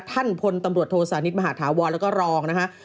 ท่านพลตำรวจโทสานิทมหาธาวรแล้วก็รองนะฮะ